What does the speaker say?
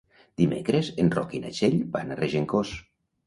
Dimecres en Roc i na Txell van a Regencós.